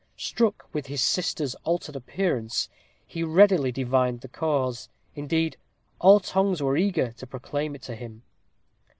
Struck with his sister's altered appearance, he readily divined the cause; indeed, all tongues were eager to proclaim it to him.